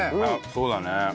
そうだね。